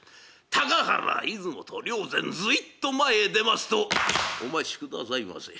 高原出雲と良然ずいっと前へ出ますと「お待ちくださいませ。